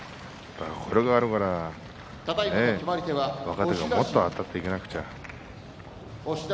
これがあるから、若手がもっとあたっていかなくちゃ。